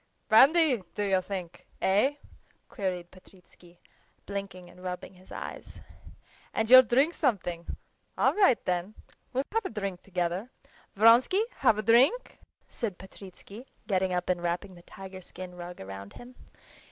"Brandy, do you think? Eh?" queried Petritsky, blinking and rubbing his eyes. "And you'll drink something? All right then, we'll have a drink together! Vronsky, have a drink?" said Petritsky, getting up and wrapping the tiger skin rug round him.